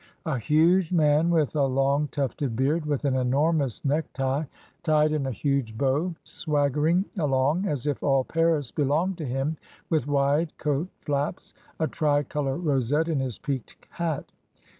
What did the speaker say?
A huge man , with a long tufted beard, with an enormous necktie tied RED COMES INTO FASHION. 221 in a huge bow, swaggering along as if all Paris be longed to him, with wide coat flaps, a tricolour rosette in his peaked hat.